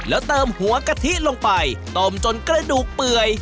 แล้วเติมหัวกะทิลงไปต้มจนกระดูกเปื่อย